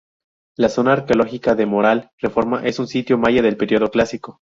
La zona arqueológica de Moral-Reforma, es un sitio Maya del período Clásico.